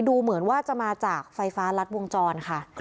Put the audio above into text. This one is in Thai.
ดูเหมือนว่าจะมาจากไฟฟ้ารัดวงจรค่ะ